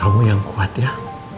kamu yang kuat ya